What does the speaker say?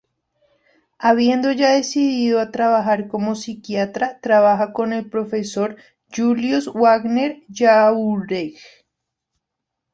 Habiendo ya decido a trabajar como psiquiatra, trabaja con el profesor Julius Wagner-Jauregg.